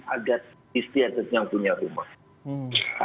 agar istiagatnya punya rumah